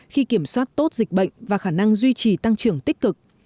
khi kiểm soát tốt dịch bệnh và khả năng duy trì tăng trưởng tích cực